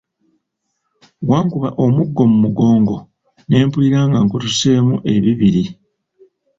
Wankuba omuggo mugongo ne mpulira nga akutuseemu ebibiri.